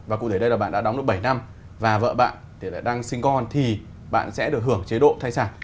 và cụ thể đây là bạn đã đóng được bảy năm và vợ bạn đang sinh con thì bạn sẽ được hưởng chế độ thai sản